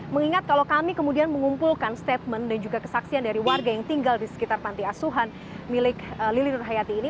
mengingat kalau kami kemudian mengumpulkan statement dan juga kesaksian dari warga yang tinggal di sekitar panti asuhan milik lili nur hayati ini